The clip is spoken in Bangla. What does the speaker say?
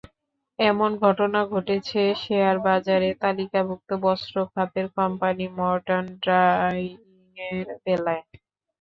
এমন ঘটনা ঘটেছে শেয়ারবাজারে তালিকাভুক্ত বস্ত্র খাতের কোম্পানি মডার্ন ডায়িংয়ের বেলায়।